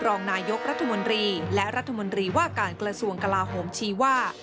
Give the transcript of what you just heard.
รองนายกรัฐมนตรีและรัฐมนตรีว่าการกระทรวงกลาโหมชี้ว่า